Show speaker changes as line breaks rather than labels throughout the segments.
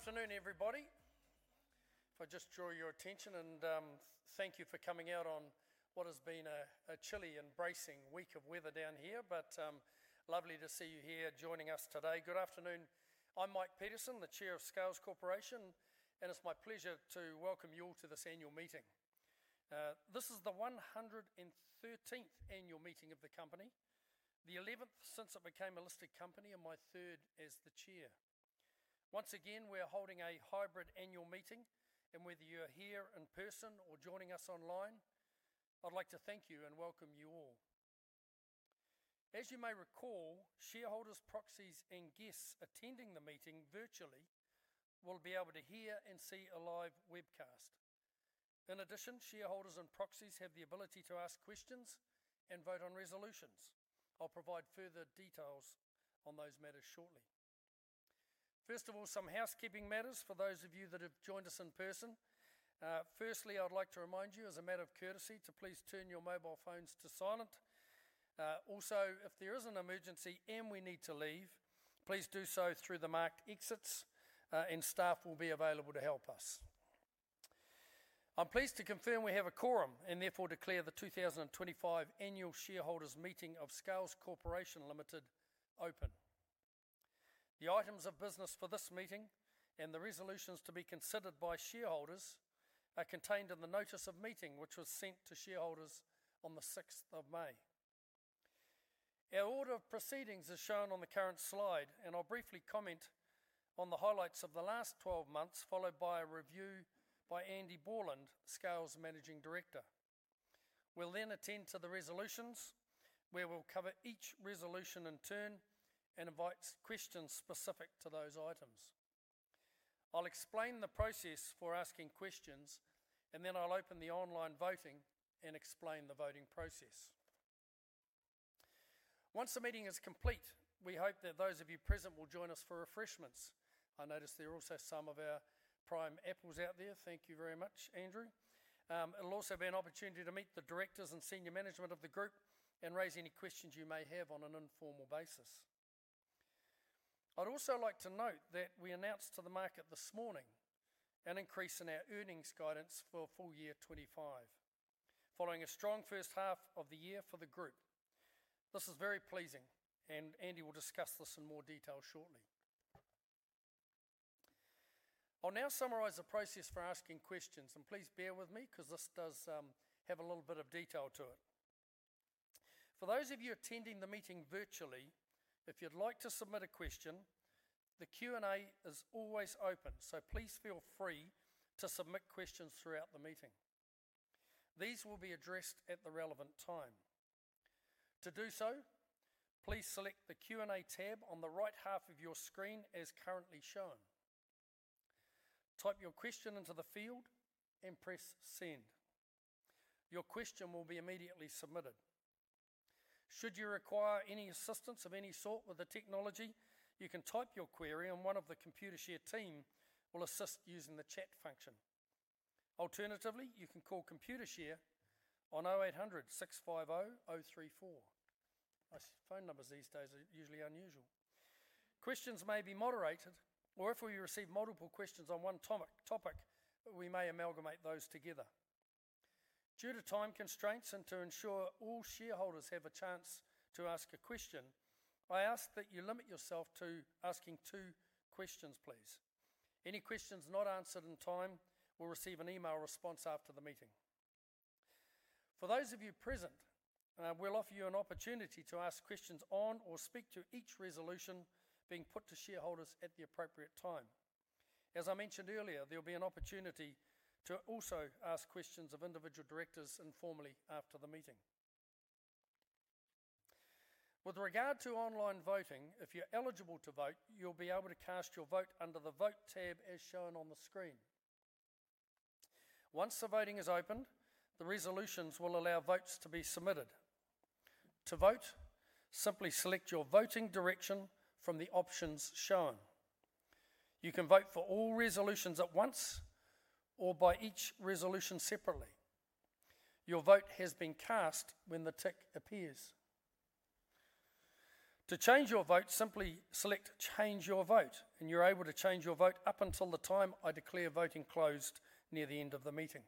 Good afternoon, everybody. If I just draw your attention and thank you for coming out on what has been a chilly, embracing week of weather down here, but lovely to see you here joining us today. Good afternoon. I'm Mike Petersen, the Chair of Scales Corporation, and it's my pleasure to welcome you all to this annual meeting. This is the 113th annual meeting of the company, the 11th since it became a listed company, and my third as the Chair. Once again, we are holding a hybrid annual meeting, and whether you're here in person or joining us online, I'd like to thank you and welcome you all. As you may recall, shareholders, proxies, and guests attending the meeting virtually will be able to hear and see a live webcast. In addition, shareholders and proxies have the ability to ask questions and vote on resolutions. I'll provide further details on those matters shortly. First of all, some housekeeping matters for those of you that have joined us in person. Firstly, I'd like to remind you, as a matter of courtesy, to please turn your mobile phones to silent. Also, if there is an emergency and we need to leave, please do so through the marked exits, and staff will be available to help us. I'm pleased to confirm we have a quorum and therefore declare the 2025 Annual Shareholders Meeting of Scales Corporation Limited open. The items of business for this meeting and the resolutions to be considered by shareholders are contained in the Notice of Meeting, which was sent to shareholders on the 6th of May. Our order of proceedings is shown on the current slide, and I'll briefly comment on the highlights of the last 12 months, followed by a review by Andy Borland, Scales Managing Director. We'll then attend to the resolutions, where we'll cover each resolution in turn and invite questions specific to those items. I'll explain the process for asking questions, and then I'll open the online voting and explain the voting process. Once the meeting is complete, we hope that those of you present will join us for refreshments. I notice there are also some of our prime apples out there. Thank you very much, Andrew. It'll also be an opportunity to meet the directors and senior management of the group and raise any questions you may have on an informal basis. I'd also like to note that we announced to the market this morning an increase in our earnings guidance for full year 2025, following a strong first half of the year for the group. This is very pleasing, and Andy will discuss this in more detail shortly. I'll now summarize the process for asking questions, and please bear with me because this does have a little bit of detail to it. For those of you attending the meeting virtually, if you'd like to submit a question, the Q&A is always open, so please feel free to submit questions throughout the meeting. These will be addressed at the relevant time. To do so, please select the Q&A tab on the right half of your screen as currently shown. Type your question into the field and press send. Your question will be immediately submitted. Should you require any assistance of any sort with the technology, you can type your query, and one of the Computershare team will assist using the chat function. Alternatively, you can call Computershare on 0800 650 034. Phone numbers these days are usually unusual. Questions may be moderated, or if we receive multiple questions on one topic, we may amalgamate those together. Due to time constraints and to ensure all shareholders have a chance to ask a question, I ask that you limit yourself to asking two questions, please. Any questions not answered in time will receive an email response after the meeting. For those of you present, we'll offer you an opportunity to ask questions on or speak to each resolution being put to shareholders at the appropriate time. As I mentioned earlier, there'll be an opportunity to also ask questions of individual directors informally after the meeting. With regard to online voting, if you're eligible to vote, you'll be able to cast your vote under the vote tab as shown on the screen. Once the voting is opened, the resolutions will allow votes to be submitted. To vote, simply select your voting direction from the options shown. You can vote for all resolutions at once or by each resolution separately. Your vote has been cast when the tick appears. To change your vote, simply select change your vote, and you're able to change your vote up until the time I declare voting closed near the end of the meeting.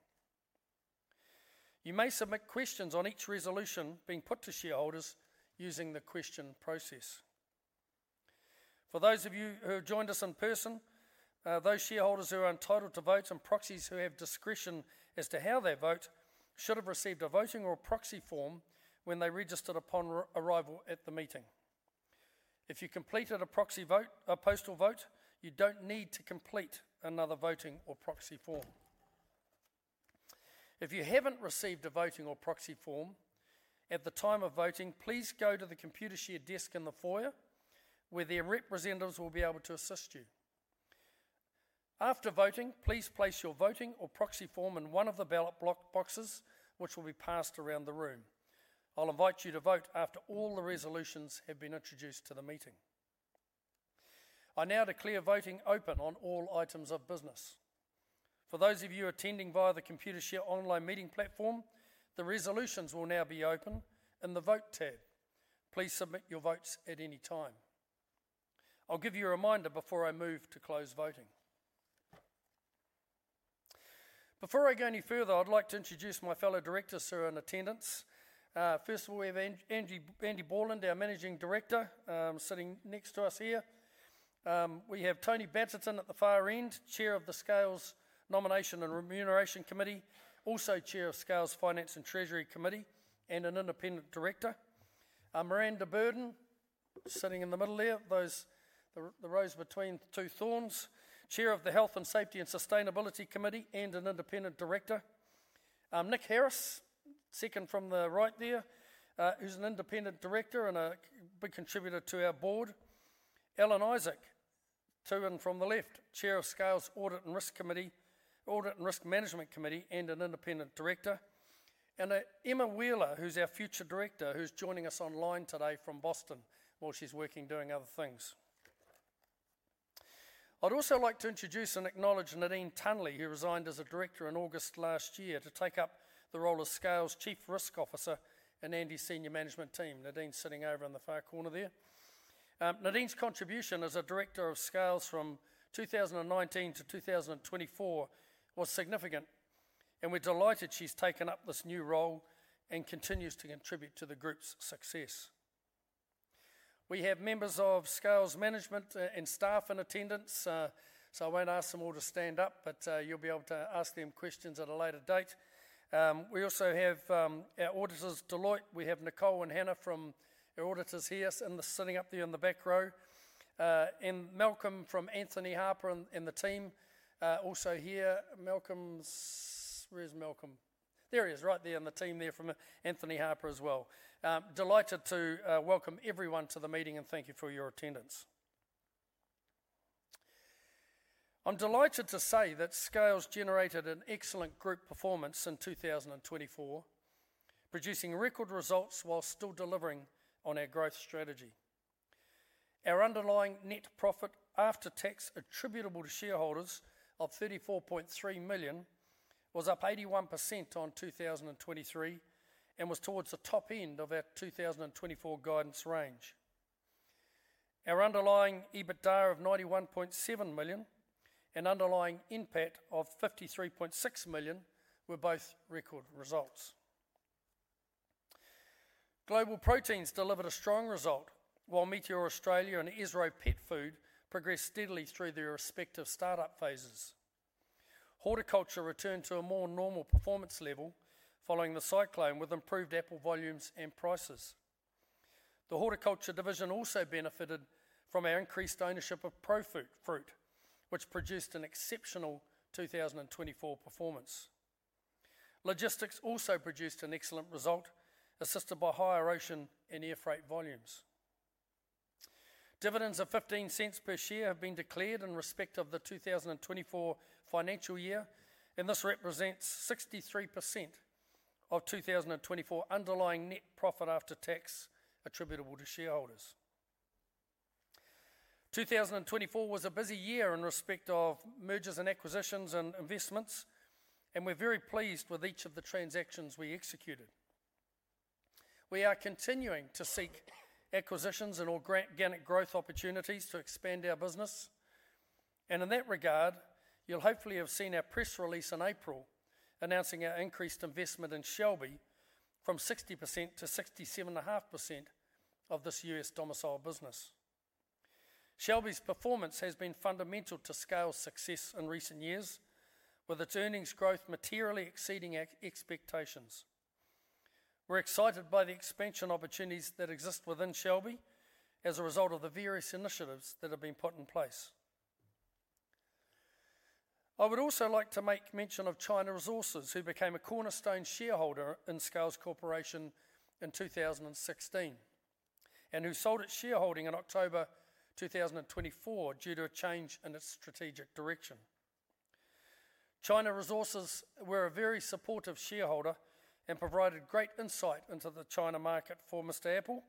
You may submit questions on each resolution being put to shareholders using the question process. For those of you who have joined us in person, those shareholders who are entitled to vote and proxies who have discretion as to how they vote should have received a voting or proxy form when they registered upon arrival at the meeting. If you completed a proxy vote or postal vote, you don't need to complete another voting or proxy form. If you haven't received a voting or proxy form at the time of voting, please go to the Computershare desk in the foyer, where their representatives will be able to assist you. After voting, please place your voting or proxy form in one of the ballot boxes, which will be passed around the room. I'll invite you to vote after all the resolutions have been introduced to the meeting. I now declare voting open on all items of business. For those of you attending via the Computershare online meeting platform, the resolutions will now be open in the vote tab. Please submit your votes at any time. I'll give you a reminder before I move to close voting. Before I go any further, I'd like to introduce my fellow directors who are in attendance. First of all, we have Andy Borland, our Managing Director, sitting next to us here. We have Tony Banton at the far end, Chair of the Scales Nomination and Remuneration Committee, also Chair of Scales Finance and Treasury Committee and an Independent Director. Miranda Burden, sitting in the middle there, the rose between two thorns, Chair of the Health and Safety and Sustainability Committee and an Independent Director. Nick Harris, second from the right there, who's an Independent Director and a big contributor to our board. Alan Isaac, two in from the left, Chair of Scales Audit and Risk Management Committee and an Independent Director. Emma Wheeler, who's our Future Director, who's joining us online today from Boston while she's working doing other things. I'd also like to introduce and acknowledge Nadine Tunley, who resigned as a Director in August last year to take up the role of Scales Chief Risk Officer and Andy's Senior Management Team. Nadine's sitting over in the far corner there. Nadine's contribution as a Director of Scales from 2019 to 2024 was significant, and we're delighted she's taken up this new role and continues to contribute to the group's success. We have members of Scales Management and staff in attendance, so I won't ask them all to stand up, but you'll be able to ask them questions at a later date. We also have our auditors, Deloitte. We have Nicole and Hannah from our auditors here sitting up there in the back row. And Malcolm from Anthony Harper and the team, also here. Malcolm's, where's Malcolm? There he is, right there in the team there from Anthony Harper as well. Delighted to welcome everyone to the meeting and thank you for your attendance. I'm delighted to say that Scales generated an excellent group performance in 2024, producing record results while still delivering on our growth strategy. Our underlying net profit after tax attributable to shareholders of $34.3 million was up 81% on 2023 and was towards the top end of our 2024 guidance range. Our underlying EBITDA of $91.7 million and underlying impact of $53.6 million were both record results. Global Proteins delivered a strong result while Meateor Australia and EnviroPet Food progressed steadily through their respective startup phases. Horticulture returned to a more normal performance level following the cyclone with improved apple volumes and prices. The Horticulture Division also benefited from our increased ownership of ProFruit, which produced an exceptional 2024 performance. Logistics also produced an excellent result, assisted by higher ocean and air freight volumes. Dividends of $0.15 per share have been declared in respect of the 2024 financial year, and this represents 63% of 2024 underlying net profit after tax attributable to shareholders. 2024 was a busy year in respect of mergers and acquisitions and investments, and we're very pleased with each of the transactions we executed. We are continuing to seek acquisitions and organic growth opportunities to expand our business. In that regard, you'll hopefully have seen our press release in April announcing our increased investment in Shelby from 60% to 67.5% of this US domiciled business. Shelby's performance has been fundamental to Scales' success in recent years, with its earnings growth materially exceeding expectations. We're excited by the expansion opportunities that exist within Shelby as a result of the various initiatives that have been put in place. I would also like to make mention of China Resources, who became a cornerstone shareholder in Scales Corporation in 2016 and who sold its shareholding in October 2024 due to a change in its strategic direction. China Resources were a very supportive shareholder and provided great insight into the China market for Mr Apple,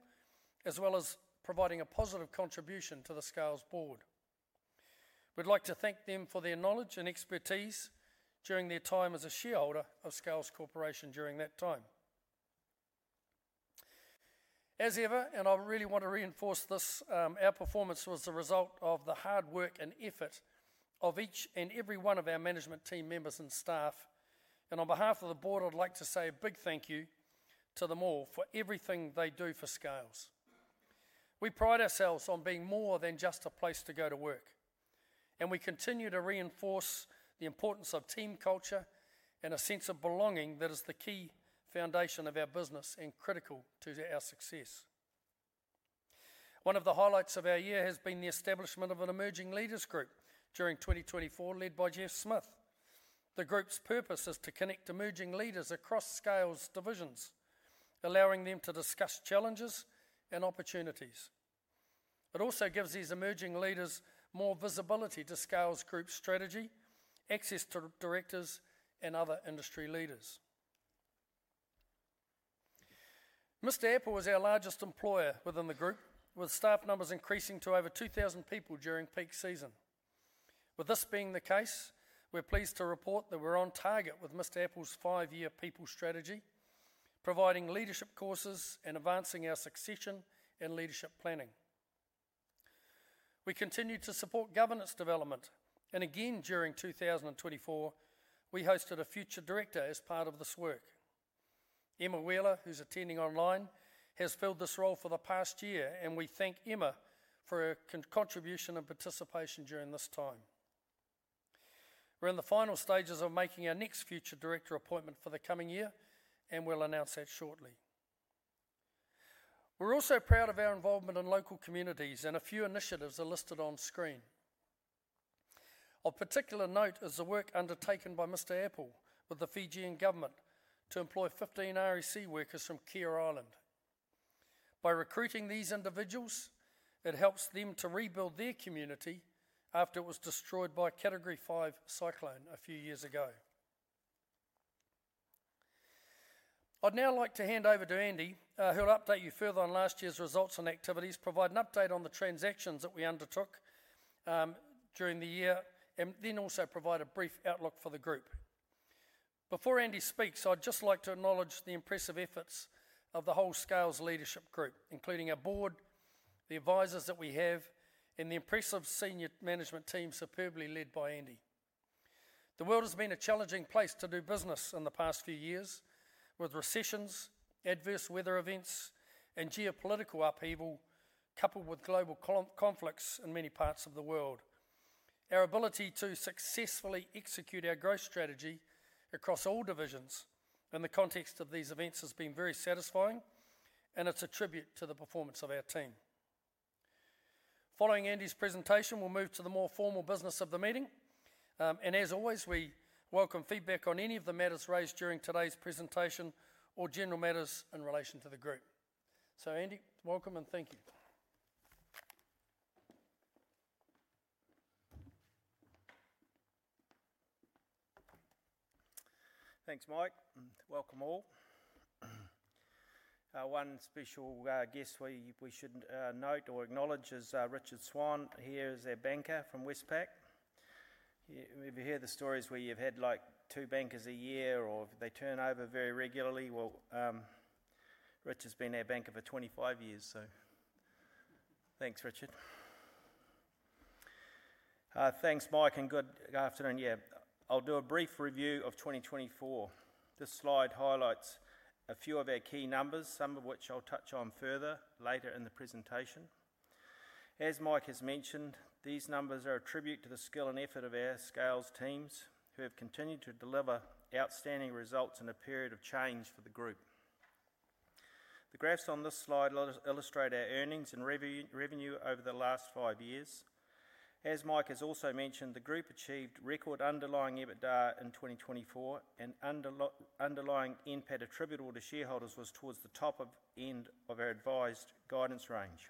as well as providing a positive contribution to the Scales board. We'd like to thank them for their knowledge and expertise during their time as a shareholder of Scales Corporation during that time. As ever, and I really want to reinforce this, our performance was the result of the hard work and effort of each and every one of our management team members and staff. On behalf of the board, I'd like to say a big thank you to them all for everything they do for Scales. We pride ourselves on being more than just a place to go to work, and we continue to reinforce the importance of team culture and a sense of belonging that is the key foundation of our business and critical to our success. One of the highlights of our year has been the establishment of an Emerging Leaders Group during 2024, led by Jeff Smith. The group's purpose is to connect emerging leaders across Scales divisions, allowing them to discuss challenges and opportunities. It also gives these emerging leaders more visibility to Scales Group strategy, access to directors, and other industry leaders. Mr Apple was our largest employer within the group, with staff numbers increasing to over 2,000 people during peak season. With this being the case, we're pleased to report that we're on target with Mr Apple's five-year people strategy, providing leadership courses and advancing our succession and leadership planning. We continue to support governance development, and again during 2024, we hosted a future director as part of this work. Emma Wheeler, who's attending online, has filled this role for the past year, and we thank Emma for her contribution and participation during this time. We're in the final stages of making our next future director appointment for the coming year, and we'll announce that shortly. We're also proud of our involvement in local communities, and a few initiatives are listed on screen. Of particular note is the work undertaken by Mr Apple with the Fijian government to employ 15 REC workers from Kear Island. By recruiting these individuals, it helps them to rebuild their community after it was destroyed by a Category 5 cyclone a few years ago. I'd now like to hand over to Andy, who'll update you further on last year's results and activities, provide an update on the transactions that we undertook during the year, and then also provide a brief outlook for the group. Before Andy speaks, I'd just like to acknowledge the impressive efforts of the whole Scales leadership group, including our board, the advisors that we have, and the impressive senior management team superbly led by Andy. The world has been a challenging place to do business in the past few years, with recessions, adverse weather events, and geopolitical upheaval coupled with global conflicts in many parts of the world. Our ability to successfully execute our growth strategy across all divisions in the context of these events has been very satisfying, and it's a tribute to the performance of our team. Following Andy's presentation, we will move to the more formal business of the meeting. As always, we welcome feedback on any of the matters raised during today's presentation or general matters in relation to the group. Andy, welcome and thank you.
Thanks, Mike. Welcome all. One special guest we should note or acknowledge is Richard Swan. He is our banker from Westpac. If you hear the stories where you've had like two bankers a year or they turn over very regularly, well, Richard's been our banker for 25 years, so thanks, Richard.
Thanks, Mike, and good afternoon. Yeah, I'll do a brief review of 2024. This slide highlights a few of our key numbers, some of which I'll touch on further later in the presentation. As Mike has mentioned, these numbers are a tribute to the skill and effort of our Scales teams who have continued to deliver outstanding results in a period of change for the group. The graphs on this slide illustrate our earnings and revenue over the last five years. As Mike has also mentioned, the group achieved record underlying EBITDA in 2024, and underlying NPAT attributable to shareholders was towards the top end of our advised guidance range.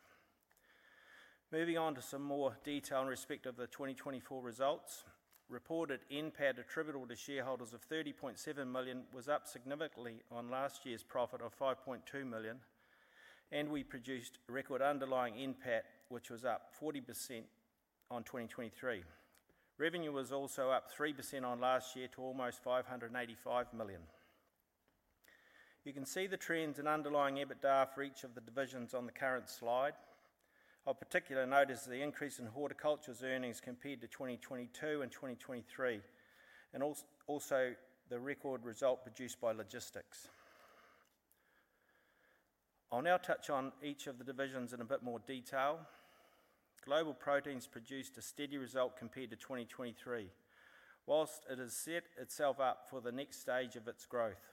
Moving on to some more detail in respect of the 2024 results, reported NPAT attributable to shareholders of $30.7 million was up significantly on last year's profit of $5.2 million, and we produced record underlying NPAT, which was up 40% on 2023. Revenue was also up 3% on last year to almost $585 million. You can see the trends in underlying EBITDA for each of the divisions on the current slide. I will particularly notice the increase in Horticulture's earnings compared to 2022 and 2023, and also the record result produced by Logistics. I will now touch on each of the divisions in a bit more detail. Global Proteins produced a steady result compared to 2023, whilst it has set itself up for the next stage of its growth.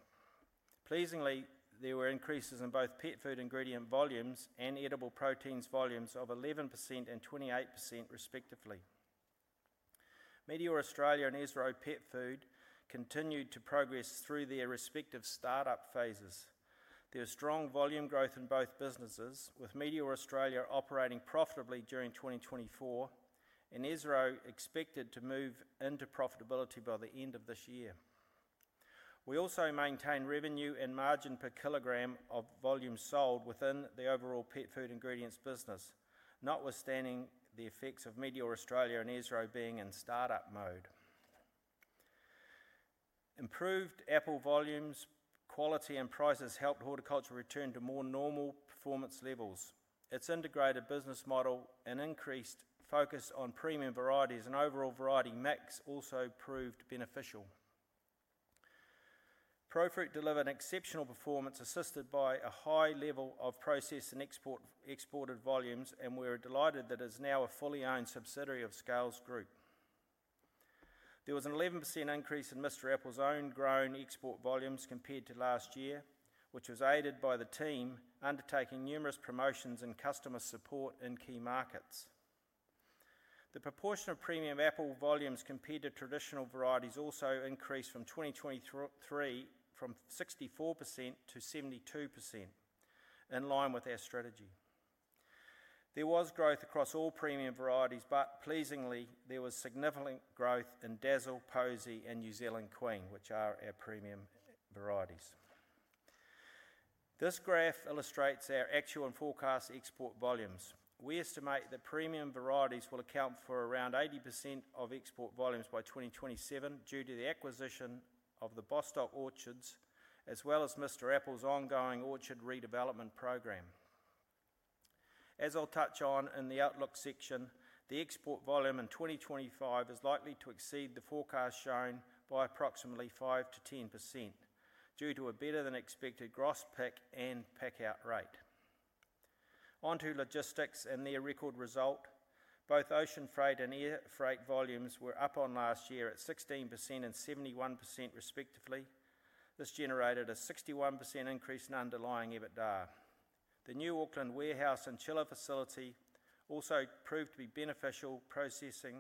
Pleasingly, there were increases in both pet food ingredient volumes and edible proteins volumes of 11% and 28% respectively. Meateor Australia and Esro Petfood continued to progress through their respective startup phases. There was strong volume growth in both businesses, with Meateor Australia operating profitably during 2024, and Esro expected to move into profitability by the end of this year. We also maintain revenue and margin per kilogram of volume sold within the overall pet food ingredients business, notwithstanding the effects of Meateor Australia and Esro being in startup mode. Improved apple volumes, quality, and prices helped horticulture return to more normal performance levels. Its integrated business model and increased focus on premium varieties and overall variety mix also proved beneficial. ProFruit delivered exceptional performance assisted by a high level of processed and exported volumes, and we're delighted that it is now a fully owned subsidiary of Scales Corporation. There was an 11% increase in Mr. Apple's own grown export volumes compared to last year, which was aided by the team undertaking numerous promotions and customer support in key markets. The proportion of premium apple volumes compared to traditional varieties also increased from 2023 from 64% to 72%, in line with our strategy. There was growth across all premium varieties, but pleasingly, there was significant growth in Dazzle, Posy, and New Zealand Queen, which are our premium varieties. This graph illustrates our actual and forecast export volumes. We estimate that premium varieties will account for around 80% of export volumes by 2027 due to the acquisition of the Bostock Orchards, as well as Mr Apple’s ongoing orchard redevelopment program. As I'll touch on in the outlook section, the export volume in 2025 is likely to exceed the forecast shown by approximately 5-10% due to a better than expected gross pack and pack out rate. On to Logistics and their record result. Both ocean freight and air freight volumes were up on last year at 16% and 71% respectively. This generated a 61% increase in underlying EBITDA. The new Auckland warehouse and chiller facility also proved to be beneficial, processing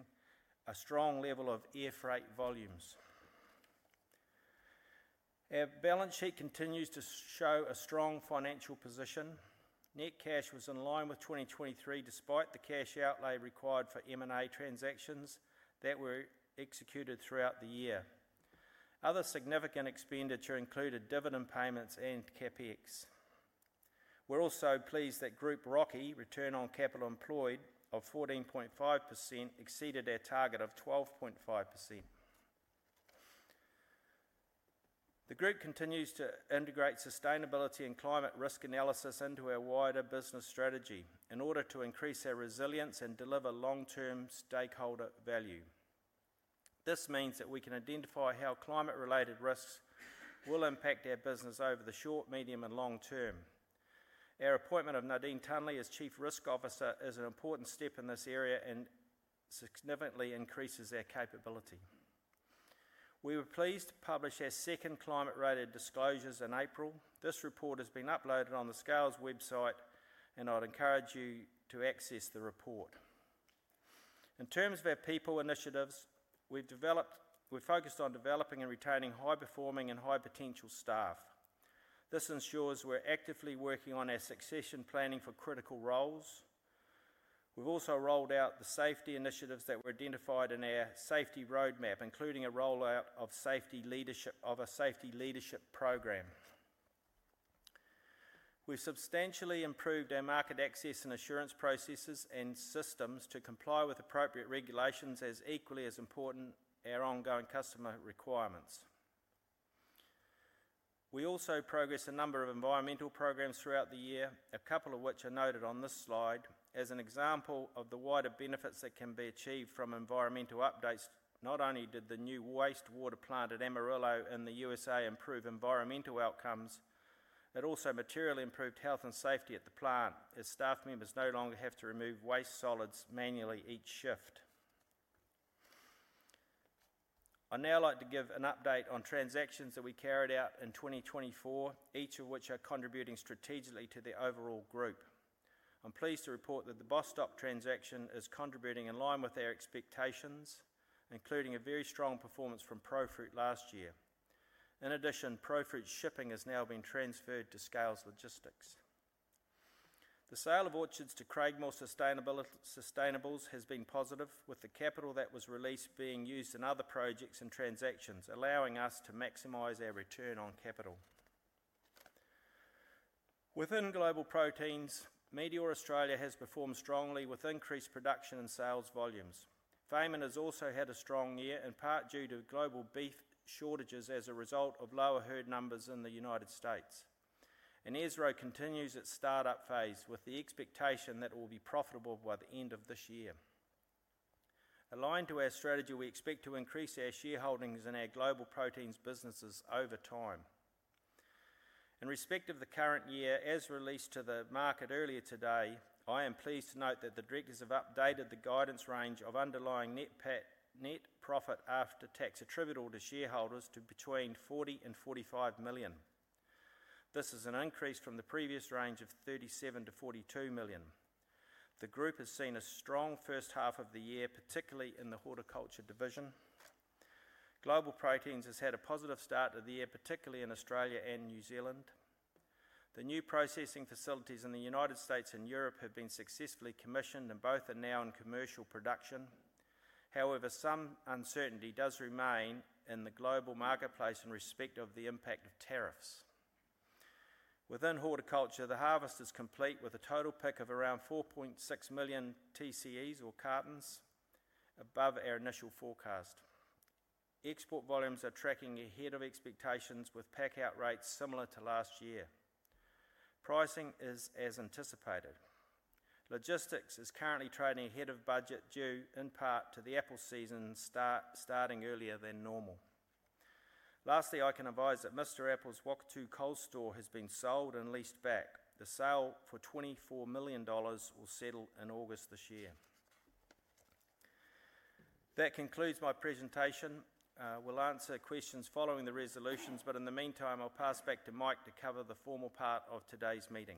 a strong level of air freight volumes. Our balance sheet continues to show a strong financial position. Net cash was in line with 2023 despite the cash outlay required for M&A transactions that were executed throughout the year. Other significant expenditure included dividend payments and CapEx. We are also pleased that group ROCE of 14.5% exceeded our target of 12.5%. The group continues to integrate sustainability and climate risk analysis into our wider business strategy in order to increase our resilience and deliver long-term stakeholder value. This means that we can identify how climate-related risks will impact our business over the short, medium, and long term. Our appointment of Nadine Tunley as Chief Risk Officer is an important step in this area and significantly increases our capability. We were pleased to publish our second climate-related disclosures in April. This report has been uploaded on the Scales website, and I'd encourage you to access the report. In terms of our people initiatives, we've focused on developing and retaining high-performing and high-potential staff. This ensures we're actively working on our succession planning for critical roles. We've also rolled out the safety initiatives that were identified in our safety roadmap, including a rollout of a safety leadership program. We've substantially improved our market access and assurance processes and systems to comply with appropriate regulations as equally as important as our ongoing customer requirements. We also progressed a number of environmental programs throughout the year, a couple of which are noted on this slide. As an example of the wider benefits that can be achieved from environmental updates, not only did the new wastewater plant at Amarillo in the U.S. improve environmental outcomes, it also materially improved health and safety at the plant as staff members no longer have to remove waste solids manually each shift. I'd now like to give an update on transactions that we carried out in 2024, each of which are contributing strategically to the overall group. I'm pleased to report that the Bostock transaction is contributing in line with our expectations, including a very strong performance from ProFruit last year. In addition, ProFruit shipping has now been transferred to Scales Logistics. The sale of orchards to Craigmore Sustainables has been positive, with the capital that was released being used in other projects and transactions, allowing us to maximize our return on capital. Within Global Proteins, Meateor Australia has performed strongly with increased production and sales volumes. Fayman has also had a strong year, in part due to global beef shortages as a result of lower herd numbers in the United States. Esro continues its startup phase with the expectation that it will be profitable by the end of this year. Aligned to our strategy, we expect to increase our shareholdings in our Global Proteins businesses over time. In respect of the current year, as released to the market earlier today, I am pleased to note that the directors have updated the guidance range of underlying net profit after tax attributable to shareholders to between $40 million and $45 million. This is an increase from the previous range of $37 million-$42 million. The group has seen a strong first half of the year, particularly in the horticulture division. Global Proteins has had a positive start to the year, particularly in Australia and New Zealand. The new processing facilities in the United States and Europe have been successfully commissioned, and both are now in commercial production. However, some uncertainty does remain in the global marketplace in respect of the impact of tariffs. Within horticulture, the harvest is complete with a total pick of around 4.6 million TCE or cartons above our initial forecast. Export volumes are tracking ahead of expectations with pack out rates similar to last year. Pricing is as anticipated. Logistics is currently trading ahead of budget due, in part, to the apple season starting earlier than normal. Lastly, I can advise that Mr. Apple's Woktu coal store has been sold and leased back. The sale for $24 million will settle in August this year. That concludes my presentation. We'll answer questions following the resolutions, but in the meantime, I'll pass back to Mike to cover the formal part of today's meeting.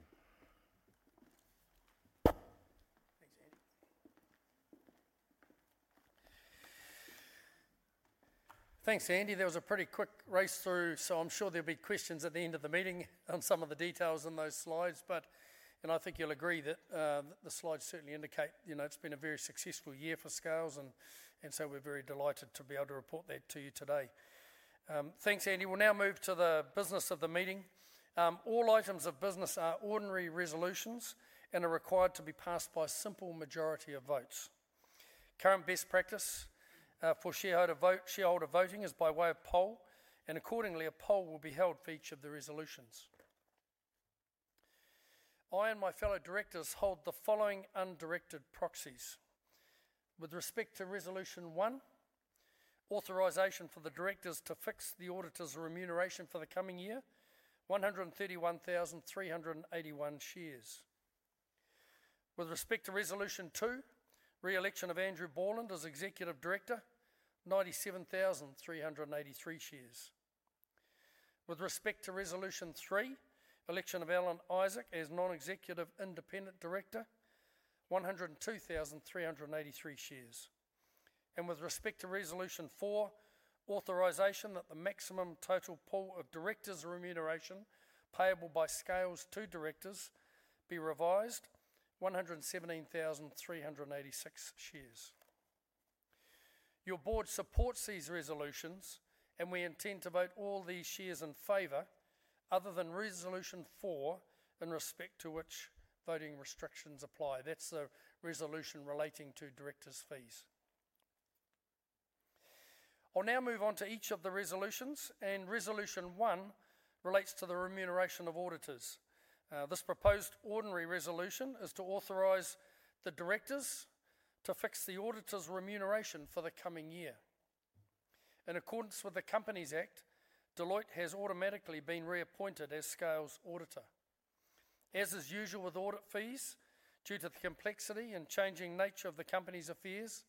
Thanks, Andy. That was a pretty quick race through, so I'm sure there'll be questions at the end of the meeting on some of the details in those slides, but I think you'll agree that the slides certainly indicate it's been a very successful year for Scales, and so we're very delighted to be able to report that to you today. Thanks, Andy. We'll now move to the business of the meeting. All items of business are ordinary resolutions and are required to be passed by simple majority of votes. Current best practice for shareholder voting is by way of poll, and accordingly, a poll will be held for each of the resolutions. I and my fellow directors hold the following undirected proxies. With respect to resolution one, authorization for the directors to fix the auditor's remuneration for the coming year, 131,381 shares. With respect to resolution two, re-election of Andy Borland as executive director, 97,383 shares. With respect to resolution three, election of Alan Isaac as non-executive independent director, 102,383 shares. With respect to resolution four, authorization that the maximum total pool of directors' remuneration payable by Scales to directors be revised, 117,386 shares. Your board supports these resolutions, and we intend to vote all these shares in favour other than resolution four in respect to which voting restrictions apply. That's the resolution relating to directors' fees. I'll now move on to each of the resolutions, and resolution one relates to the remuneration of auditors. This proposed ordinary resolution is to authorize the directors to fix the auditor's remuneration for the coming year. In accordance with the Companies Act, Deloitte has automatically been reappointed as Scales auditor. As is usual with audit fees, due to the complexity and changing nature of the company's affairs,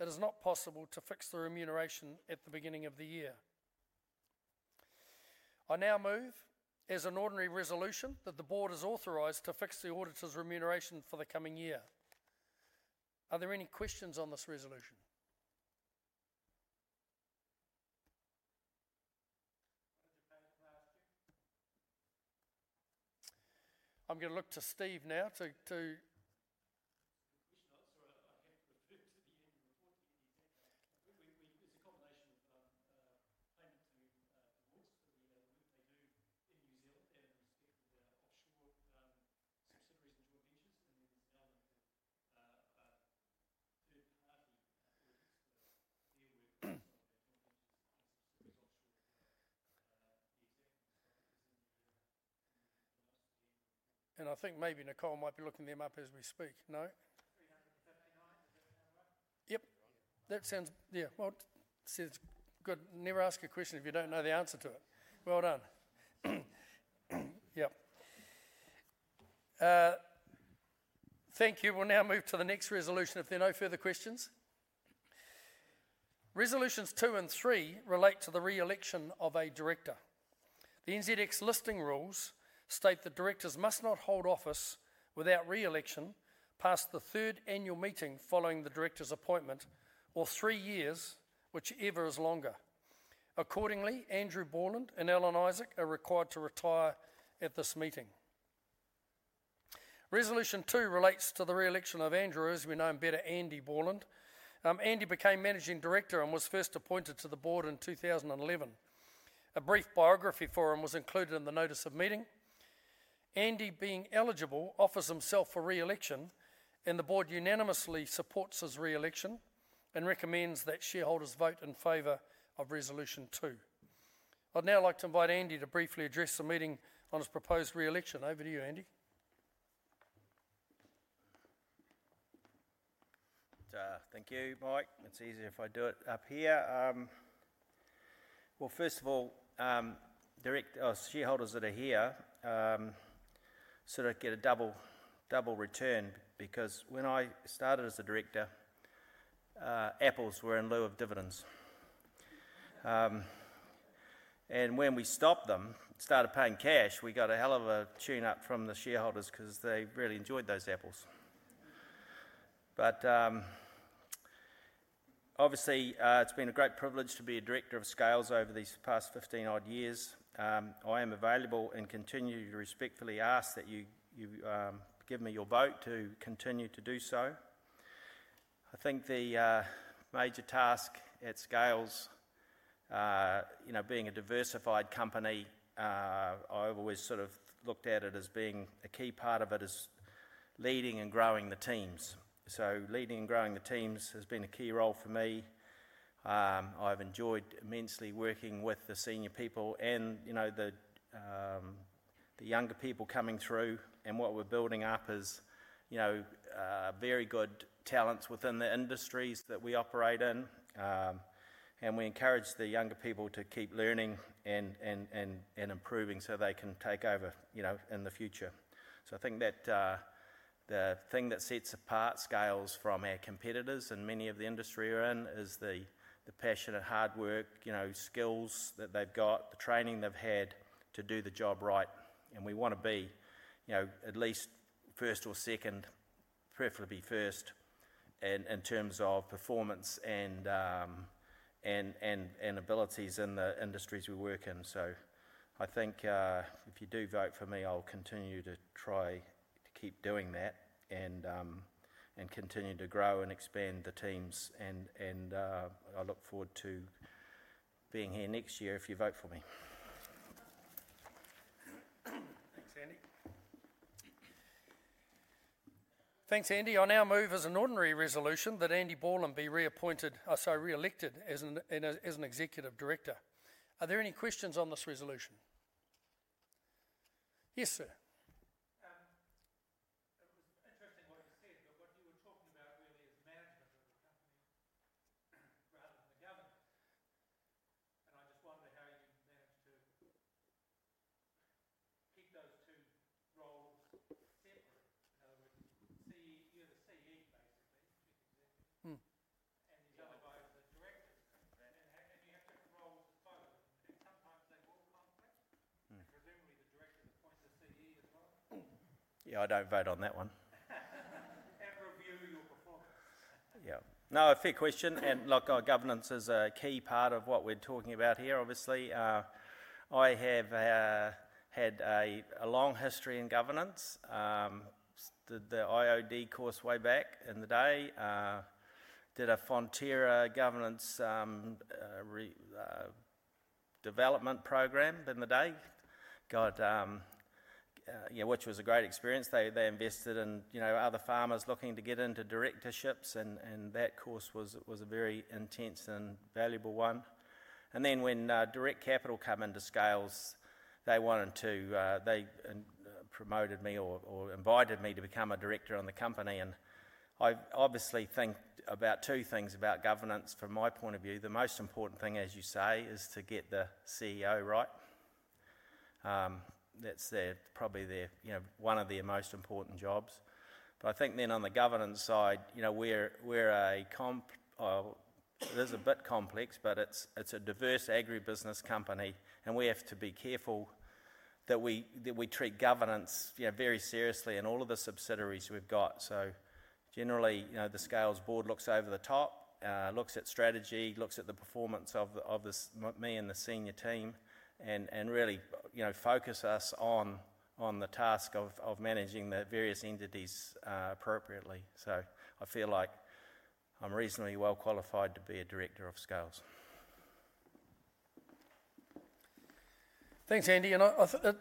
it is not possible to fix the remuneration at the beginning of the year. I now move, as an ordinary resolution, that the board is authorized to fix the auditor's remuneration for the coming year. Are there any questions on this resolution? I'm going to look to Steve now to. Quick notes, so I have to refer to the end report. It's a combination of payment to the boards for the work they do in New Zealand in respect of their offshore subsidiaries and joint ventures, and then there's an element of third-party audits for their work on their joint ventures and subsidiaries offshore as well. The exact result is in the notes at the end of the report. I think maybe Nicole might be looking them up as we speak. No? 339, does that sound right?
Yep. That sounds, yeah. It's good. Never ask a question if you don't know the answer to it. Well done. Yep. Thank you. We'll now move to the next resolution if there are no further questions. Resolutions two and three relate to the re-election of a director. The NZX listing rules state that directors must not hold office without re-election past the third annual meeting following the director's appointment or three years, whichever is longer. Accordingly, Andrew Borland and Alan Isaac are required to retire at this meeting. Resolution two relates to the re-election of Andrew, as we know him better, Andy Borland. Andy became Managing Director and was first appointed to the board in 2011. A brief biography for him was included in the notice of meeting. Andy, being eligible, offers himself for re-election, and the board unanimously supports his re-election and recommends that shareholders vote in favour of resolution two. I'd now like to invite Andy to briefly address the meeting on his proposed re-election. Over to you, Andy.
Thank you, Mike. It's easier if I do it up here. First of all, shareholders that are here sort of get a double return because when I started as a director, apples were in lieu of dividends. When we stopped them, started paying cash, we got a hell of a tune-up from the shareholders because they really enjoyed those apples. Obviously, it's been a great privilege to be a director of Scales over these past 15-odd years. I am available and continue to respectfully ask that you give me your vote to continue to do so. I think the major task at Scales, being a diversified company, I've always sort of looked at it as being a key part of it is leading and growing the teams. Leading and growing the teams has been a key role for me. I've enjoyed immensely working with the senior people and the younger people coming through, and what we're building up is very good talents within the industries that we operate in. We encourage the younger people to keep learning and improving so they can take over in the future. I think that the thing that sets apart Scales from our competitors and many of the industry we are in is the passionate hard work, skills that they've got, the training they've had to do the job right. We want to be at least first or second, preferably first, in terms of performance and abilities in the industries we work in. I think if you do vote for me, I'll continue to try to keep doing that and continue to grow and expand the teams. I look forward to being here next year if you vote for me.
Thanks, Andy. I'll now move as an ordinary resolution that Andy Borland be reappointed, sorry, re-elected as an executive director. Are there any questions on this resolution? Yes, sir. It was interesting what you said, but what you were talking about really is management of the company rather than the governance. I just wonder how you managed to keep those two roles separate. You're the CE, basically, chief executive, and you're not allowed as the director to vote. You have different roles as both, and sometimes they will conflict. Presumably, the director appoints the CE as well. Yeah, I don't vote on that one.
And review your performance.
Yeah. No, fair question. Governance is a key part of what we're talking about here, obviously. I have had a long history in governance. Did the IOD course way back in the day. Did a Fonterra governance development program in the day, which was a great experience. They invested in other farmers looking to get into directorships, and that course was a very intense and valuable one. When Direct Capital came into Scales, they wanted to. They promoted me or invited me to become a director on the company. I obviously think about two things about governance from my point of view. The most important thing, as you say, is to get the CEO right. That's probably one of the most important jobs. I think then on the governance side, we're a company that's a bit complex, but it's a diverse agribusiness company, and we have to be careful that we treat governance very seriously in all of the subsidiaries we've got. Generally, the Scales board looks over the top, looks at strategy, looks at the performance of me and the senior team, and really focuses us on the task of managing the various entities appropriately. I feel like I'm reasonably well qualified to be a director of Scales.
Thanks, Andy.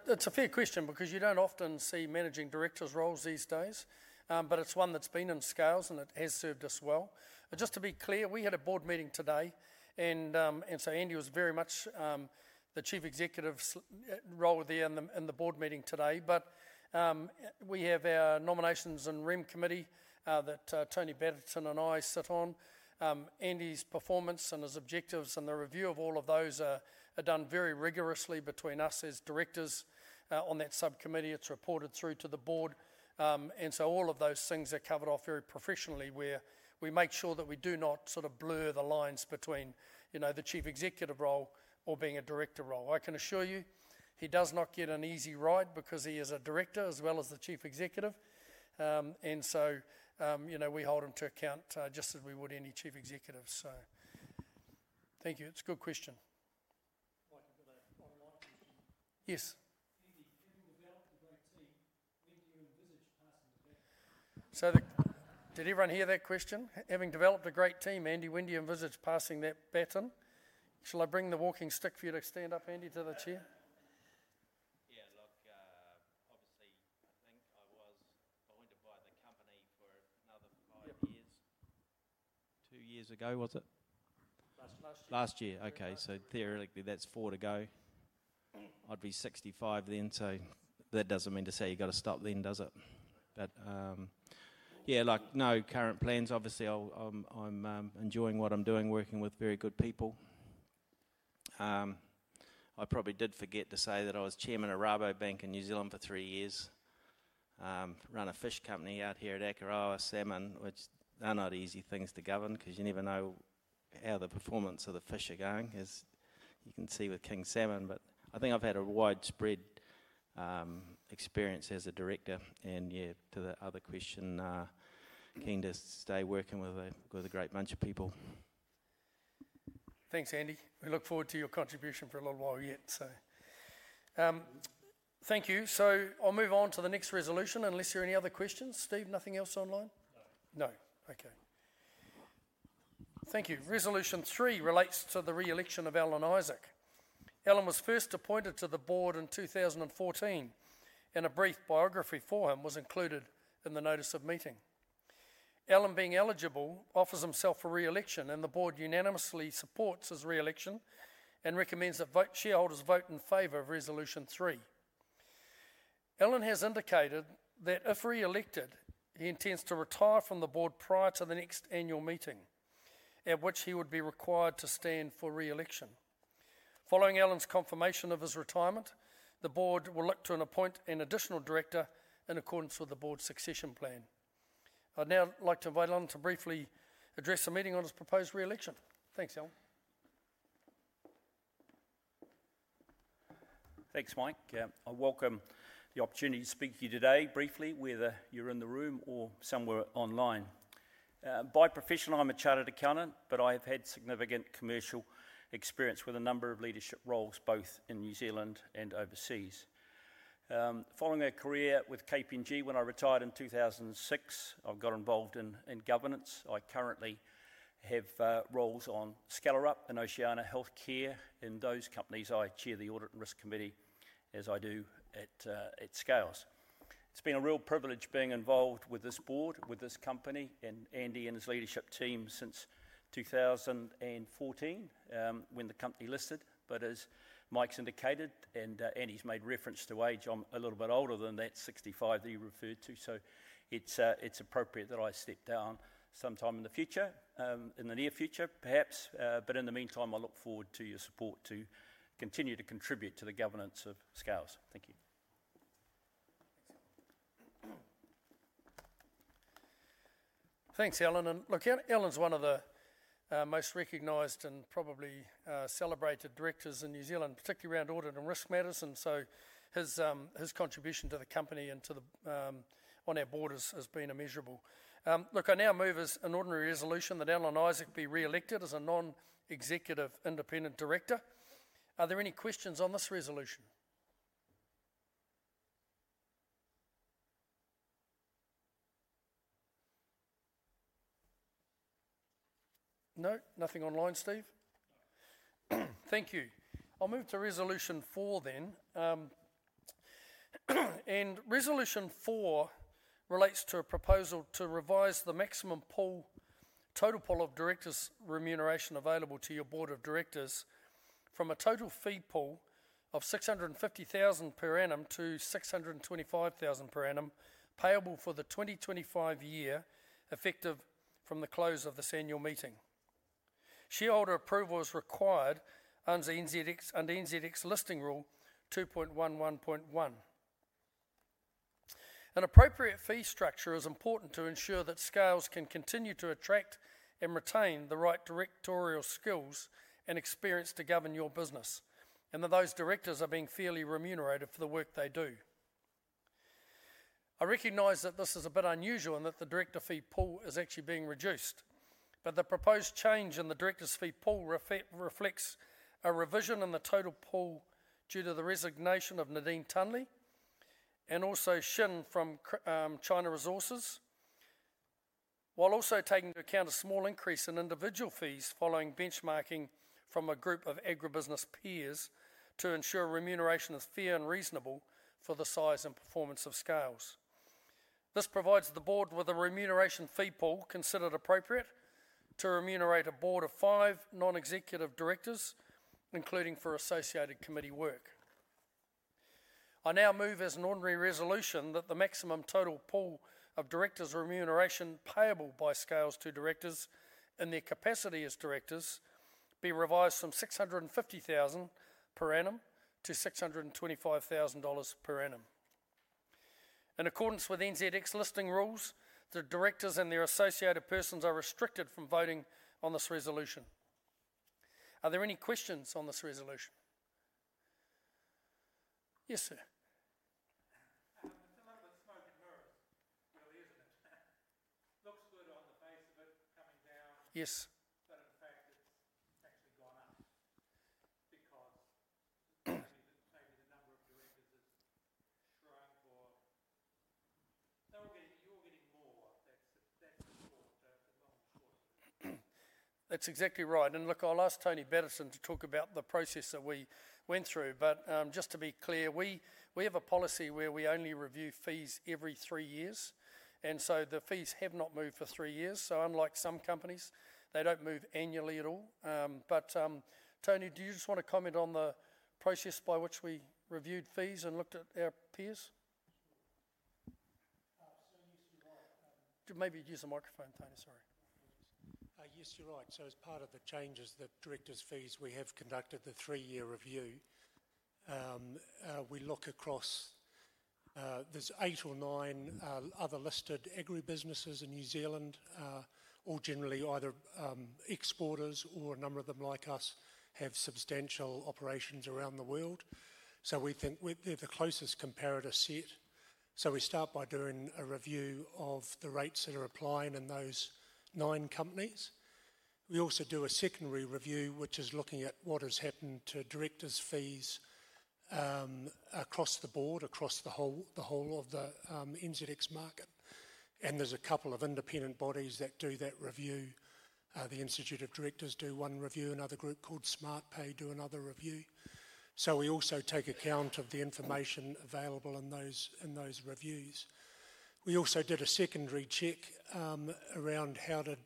It's a fair question because you don't often see managing directors' roles these days, but it's one that's been in Scales, and it has served us well. Just to be clear, we had a board meeting today, and Andy was very much the chief executive role there in the board meeting today. We have our nominations and rim committee that Tony Banton and I sit on. Andy's performance and his objectives and the review of all of those are done very rigorously between us as directors on that subcommittee. It's reported through to the board. All of those things are covered off very professionally where we make sure that we do not sort of blur the lines between the Chief Executive role or being a director role. I can assure you he does not get an easy ride because he is a director as well as the Chief Executive. We hold him to account just as we would any Chief Executive. Thank you. It's a good question. Mike, I've got an online question. Yes. Andy, having developed a great team, when do you envisage passing the baton? Did everyone hear that question? Having developed a great team, Andy, when do you envisage passing that baton? Shall I bring the walking stick for you to stand up, Andy, to the chair? Yeah. Look, obviously, I think I was appointed by the company for another five years.
Two years ago, was it? Last year. Last year. Okay. Theoretically, that's four to go. I'd be 65 then, so that doesn't mean to say you've got to stop then, does it? Yeah, no current plans. Obviously, I'm enjoying what I'm doing, working with very good people. I probably did forget to say that I was chairman of Rabobank in New Zealand for three years, ran a fish company out here at Akerawa Salmon, which are not easy things to govern because you never know how the performance of the fish are going, as you can see with King Salmon. I think I've had a widespread experience as a director. To the other question, keen to stay working with a great bunch of people. Thanks, Andy. We look forward to your contribution for a little while yet. Thank you.
I'll move on to the next resolution unless there are any other questions. Steve, nothing else online? No. No. Okay. Thank you. Resolution three relates to the re-election of Alan Isaac. Alan was first appointed to the board in 2014, and a brief biography for him was included in the notice of meeting. Alan, being eligible, offers himself for re-election, and the board unanimously supports his re-election and recommends that shareholders vote in favour of resolution three. Alan has indicated that if re-elected, he intends to retire from the board prior to the next annual meeting, at which he would be required to stand for re-election. Following Alan's confirmation of his retirement, the board will look to appoint an additional director in accordance with the board's succession plan. I'd now like to invite Alan to briefly address the meeting on his proposed re-election. Thanks, Alan.
Thanks, Mike. I welcome the opportunity to speak to you today briefly, whether you're in the room or somewhere online. By profession, I'm a chartered accountant, but I have had significant commercial experience with a number of leadership roles, both in New Zealand and overseas. Following a career with KPMG, when I retired in 2006, I've got involved in governance. I currently have roles on OceanaGold and Oceana Healthcare, and those companies I chair the audit and risk committee as I do at Scales. It's been a real privilege being involved with this board, with this company, and Andy and his leadership team since 2014 when the company listed. As Mike's indicated, and Andy's made reference to age, I'm a little bit older than that 65 that you referred to, so it's appropriate that I step down sometime in the future, in the near future, perhaps. But in the meantime, I look forward to your support to continue to contribute to the governance of Scales.
Thank you. Thanks, Alan. Alan's one of the most recognised and probably celebrated directors in New Zealand, particularly around audit and risk matters. His contribution to the company and to the on our board has been immeasurable. I now move as an ordinary resolution that Alan Isaac be re-elected as a non-executive independent director. Are there any questions on this resolution? No? Nothing online, Steve?
Thank you. I'll move to resolution four then. Resolution four relates to a proposal to revise the maximum pool, total pool of directors' remuneration available to your board of directors from a total fee pool of $650,000 per annum to $625,000 per annum, payable for the 2025 year effective from the close of this annual meeting. Shareholder approval is required under the NZX listing rule two point one, one, point, one. An appropriate fee structure is important to ensure that Scales can continue to attract and retain the right directorial skills and experience to govern your business, and that those directors are being fairly remunerated for the work they do. I recognize that this is a bit unusual and that the director fee pool is actually being reduced. The proposed change in the director's fee pool reflects a revision in the total pool due to the resignation of Nadine Tunley and also Shin from China Resources, while also taking into account a small increase in individual fees following benchmarking from a group of agribusiness peers to ensure remuneration is fair and reasonable for the size and performance of Scales. This provides the board with a remuneration fee pool considered appropriate to remunerate a board of five non-executive directors, including for associated committee work. I now move as an ordinary resolution that the maximum total pool of directors' remuneration payable by Scales to directors in their capacity as directors be revised from $650,000 per annum to $625,000 per annum. In accordance with NZX listing rules, the directors and their associated persons are restricted from voting on this resolution. Are there any questions on this resolution?
Yes, sir. It's a little bit smoke and mirrors, really, isn't it? Looks good on the face of it coming down. Yes.
In fact, it's actually gone up because maybe the number of directors has shrunk or you're getting more. That's the short of it. That's exactly right. I'll ask Tony Banton to talk about the process that we went through.
Just to be clear, we have a policy where we only review fees every three years. The fees have not moved for three years. Unlike some companies, they do not move annually at all. Tony, do you just want to comment on the process by which we reviewed fees and looked at our peers? Yes, you're right. Maybe use the microphone, Tony. Sorry.
Yes, you're right. As part of the changes to directors' fees, we have conducted the three-year review. We look across, there are eight or nine other listed agribusinesses in New Zealand, all generally either exporters or a number of them like us have substantial operations around the world. We think they are the closest comparator set. We start by doing a review of the rates that are applying in those nine companies. We also do a secondary review, which is looking at what has happened to directors' fees across the board, across the whole of the NZX market. There are a couple of independent bodies that do that review. The Institute of Directors do one review. Another group called SmartPay do another review. We also take account of the information available in those reviews. We also did a secondary check around how did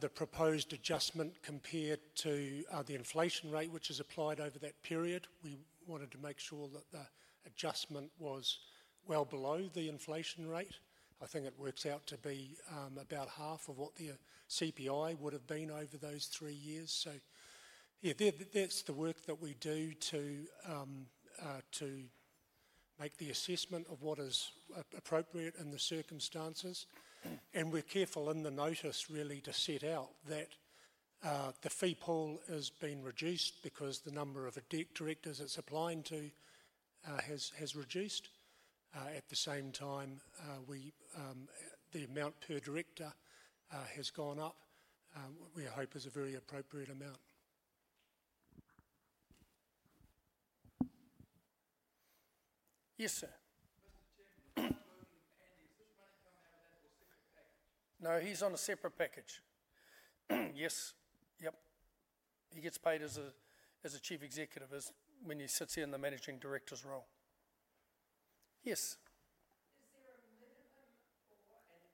the proposed adjustment compare to the inflation rate which is applied over that period. We wanted to make sure that the adjustment was well below the inflation rate. I think it works out to be about half of what the CPI would have been over those three years. Yeah, that's the work that we do to make the assessment of what is appropriate in the circumstances. We're careful in the notice really to set out that the fee pool has been reduced because the number of directors it's applying to has reduced. At the same time, the amount per director has gone up, which we hope is a very appropriate amount.
Yes, sir. Mr. Chairman, the working companions, does money come out of that or separate package? No, he's on a separate package. Yes. Yep. He gets paid as a Chief Executive when he sits here in the Managing Director's role. Yes.
Is there a minimum for an average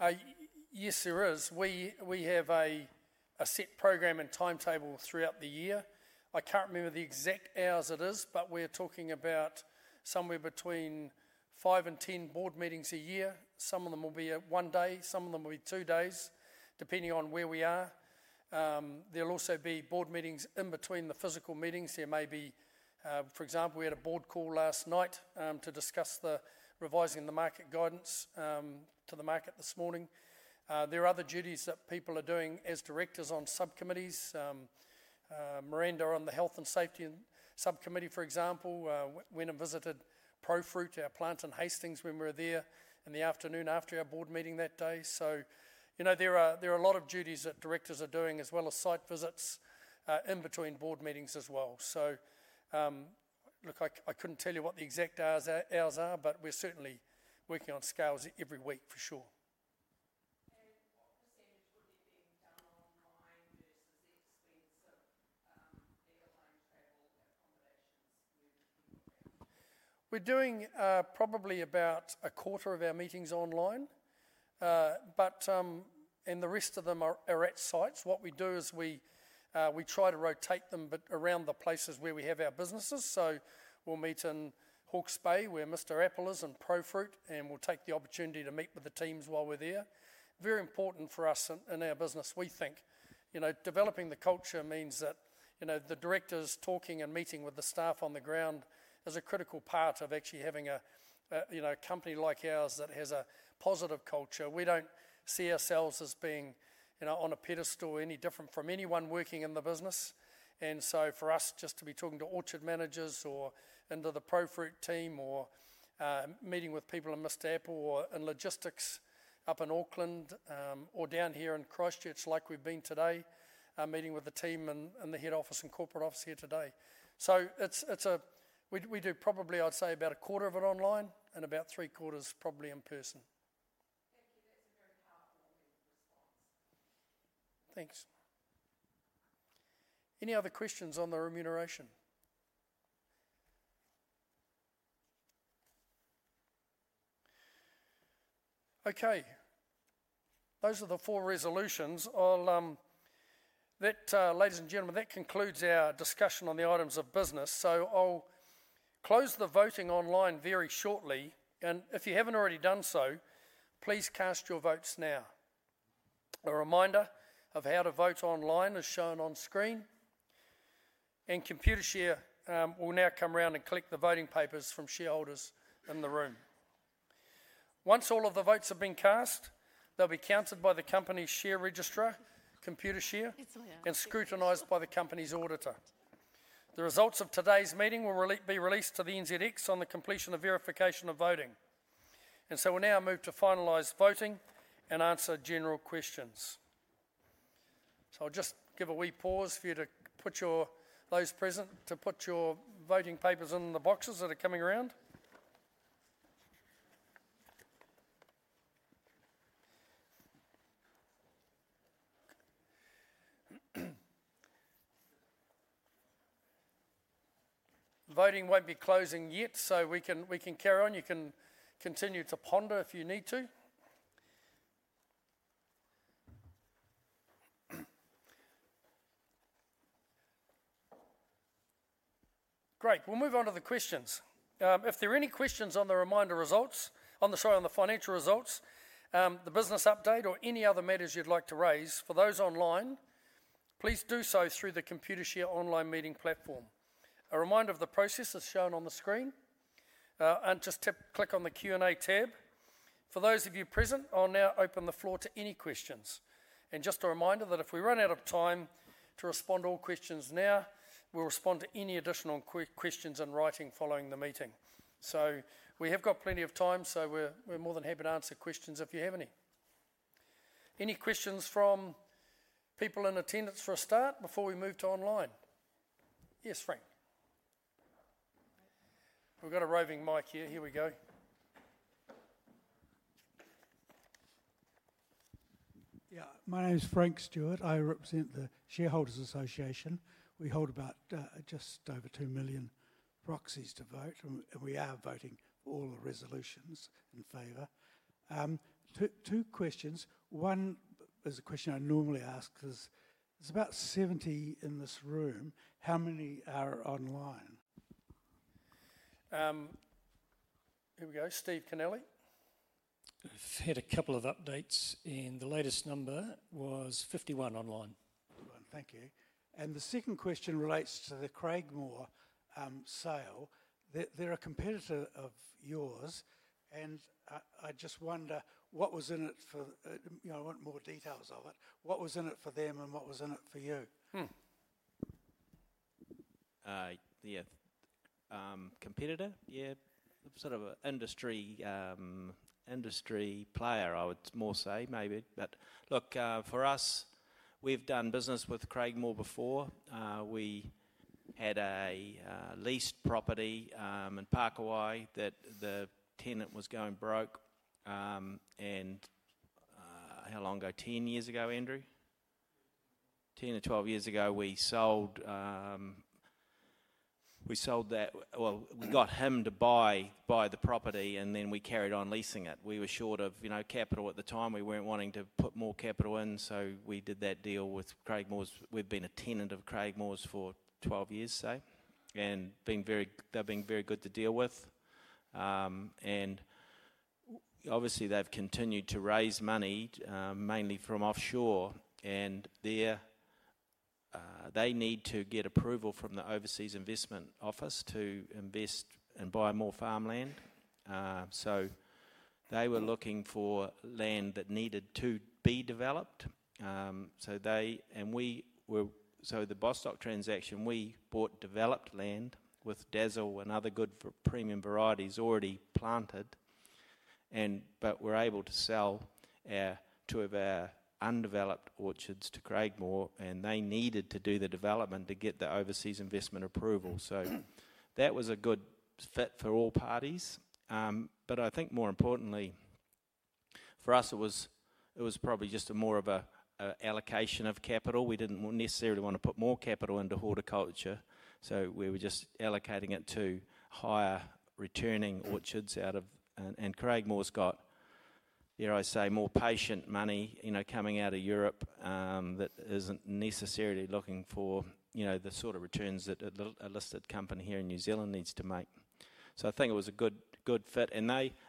amount of hours that these directors provide?
Yes, there is. We have a set program and timetable throughout the year. I can't remember the exact hours it is, but we're talking about somewhere between five and ten board meetings a year. Some of them will be one day. Some of them will be two days, depending on where we are. There'll also be board meetings in between the physical meetings. There may be, for example, we had a board call last night to discuss the revising of the market guidance to the market this morning. There are other duties that people are doing as directors on subcommittees. Miranda on the Health and Safety subcommittee, for example, went and visited ProFruit, our plant in Hastings, when we were there in the afternoon after our board meeting that day. There are a lot of duties that directors are doing, as well as site visits in between board meetings as well. I couldn't tell you what the exact hours are, but we're certainly working on Scales every week for sure. And what percentage would be being done online versus the expense of airline travel accommodations when people travel? We're doing probably about a quarter of our meetings online, and the rest of them are at sites. What we do is we try to rotate them around the places where we have our businesses. We meet in Hawkes Bay, where Mr. Apple is, and ProFruit, and we take the opportunity to meet with the teams while we're there. Very important for us in our business, we think. Developing the culture means that the directors talking and meeting with the staff on the ground is a critical part of actually having a company like ours that has a positive culture. We don't see ourselves as being on a pedestal any different from anyone working in the business. For us, just to be talking to orchard managers or into the ProFruit team or meeting with people in Mr. Apple or in logistics up in Auckland or down here in Christchurch like we've been today, meeting with the team in the head office and corporate office here today. We do probably, I'd say, about a quarter of it online and about three quarters probably in person. Thank you. That's a very powerful response. Thanks. Any other questions on the remuneration? Okay. Those are the four resolutions. Ladies and gentlemen, that concludes our discussion on the items of business. I'll close the voting online very shortly. If you haven't already done so, please cast your votes now. A reminder of how to vote online is shown on screen. Computershare will now come around and collect the voting papers from shareholders in the room. Once all of the votes have been cast, they'll be counted by the company's share register, Computershare, and scrutinized by the company's auditor. The results of today's meeting will be released to the NZX on the completion of verification of voting. We will now move to finalize voting and answer general questions. I'll just give a wee pause for you to put your voting papers in the boxes that are coming around. Voting will not be closing yet, so we can carry on. You can continue to ponder if you need to. Great. We'll move on to the questions. If there are any questions on the reminder results, sorry, on the financial results, the business update, or any other matters you'd like to raise, for those online, please do so through the Computershare online meeting platform. A reminder of the process is shown on the screen. Just click on the Q&A tab. For those of you present, I'll now open the floor to any questions. Just a reminder that if we run out of time to respond to all questions now, we'll respond to any additional questions in writing following the meeting. We have got plenty of time, so we're more than happy to answer questions if you have any. Any questions from people in attendance for a start before we move to online?
Yes, Frank. We've got a roving mic here. Here we go. Yeah. My name's Frank Stewart. I represent the Shareholders' Association. We hold about just over two million proxies to vote, and we are voting for all the resolutions in favor. Two questions. One is a question I normally ask because there's about 70 in this room. How many are online? Here we go. Steve Kennelly.
I've had a couple of updates, and the latest number was 51 online.
Thank you. The second question relates to the Craigmore sale. They're a competitor of yours, and I just wonder what was in it for—I want more details of it. What was in it for them and what was in it for you? Yeah. Competitor, yeah. Sort of an industry player, I would more say maybe. Look, for us, we've done business with Craigmore before. We had a leased property in Parker Hutt that the tenant was going broke. How long ago? Ten years ago, Andrew? Ten or twelve years ago, we sold that. We got him to buy the property, and then we carried on leasing it. We were short of capital at the time. We were not wanting to put more capital in, so we did that deal with Craigmore.
We've been a tenant of Craigmore's for 12 years, say, and they've been very good to deal with. Obviously, they've continued to raise money mainly from offshore, and they need to get approval from the Overseas Investment Office to invest and buy more farmland. They were looking for land that needed to be developed. The Bostock transaction, we bought developed land with Dazzle and other good premium varieties already planted, but were able to sell two of our undeveloped orchards to Craigmore, and they needed to do the development to get the Overseas Investment Office approval. That was a good fit for all parties. I think more importantly, for us, it was probably just more of an allocation of capital. We didn't necessarily want to put more capital into horticulture, so we were just allocating it to higher returning orchards out of. Craigmore's got, dare I say, more patient money coming out of Europe that isn't necessarily looking for the sort of returns that a listed company here in New Zealand needs to make. I think it was a good fit.